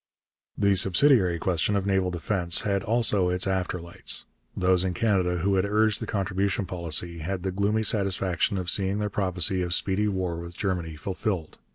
The subsidiary question of naval defence had also its after lights. Those in Canada who had urged the contribution policy had the gloomy satisfaction of seeing their prophecy of speedy war with Germany fulfilled.